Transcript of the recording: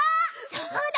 そうだね。